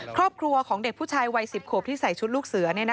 ครอบครัวของเด็กผู้ชายวัย๑๐ขวบที่ใส่ชุดลูกเสือ